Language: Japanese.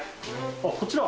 あっこちら？